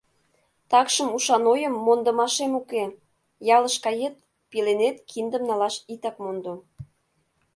Такшым ушан ойым мондымашем уке: «Ялыш кает — пеленет киндым налаш итак мондо.